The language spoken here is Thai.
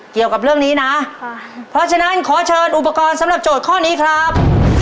เกี่ยวกับเรื่องนี้นะเพราะฉะนั้นขอเชิญอุปกรณ์สำหรับโจทย์ข้อนี้ครับ